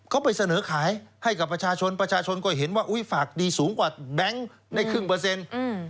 เขาไปเสนอขายให้กับประชาชนประชาชนก็เห็นว่าอุ้ยฝากดีสูงกว่าแบงค์ได้ครึ่งเปอร์เซ็นต์